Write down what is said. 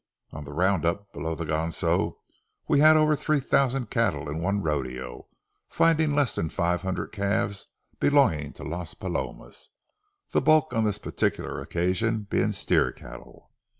On the round up below the Ganso, we had over three thousand cattle in one rodeo, finding less than five hundred calves belonging to Las Palomas, the bulk on this particular occasion being steer cattle.